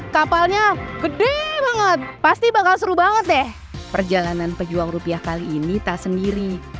kapalnya gede banget pasti bakal seru banget deh perjalanan pejuang rupiah kali ini tak sendiri